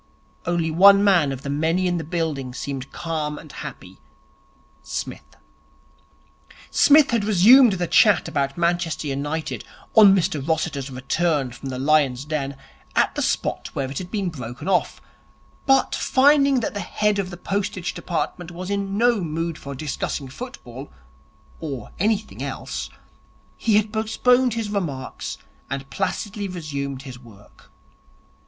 Only one man of the many in the building seemed calm and happy Psmith. Psmith had resumed the chat about Manchester United, on Mr Rossiter's return from the lion's den, at the spot where it had been broken off; but, finding that the head of the Postage Department was in no mood for discussing football (or any thing else), he had postponed his remarks and placidly resumed his work.